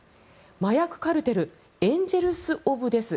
麻薬カルテルエンジェルズ・オブ・デス